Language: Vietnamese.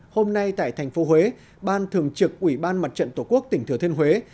hôm nay tại thành phố huế ban thường trực ủy ban mặt trận tổ quốc tỉnh thừa thiên huế